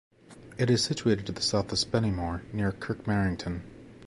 It is situated to the south of Spennymoor, near Kirk Merrington.